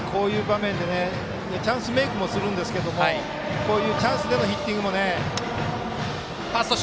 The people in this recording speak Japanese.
丸田君はこういう場面でチャンスメイクもするんですけどこういうチャンスでのヒッティングもね。